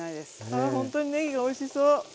あほんとにねぎがおいしそう！